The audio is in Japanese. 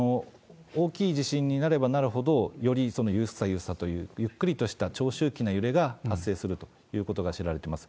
大きい地震になればなるほど、よりゆさゆさという、ゆっくりとした長周期の揺れが発生するということが知られてます。